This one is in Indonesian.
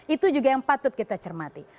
itu juga yang patut kita cermati